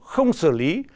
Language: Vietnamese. không xử lý